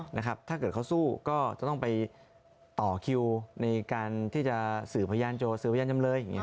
นะครับถ้าเกิดเขาสู้ก็จะต้องไปต่อคิวในการที่จะสื่อพยานโจรสื่อพยานจำเลย